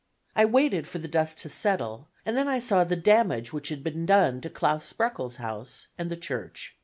I waited for the dust to settle, and I then saw the damage which had been done to Claus Spreckels's house and the church.